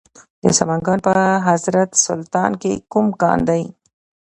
د سمنګان په حضرت سلطان کې کوم کان دی؟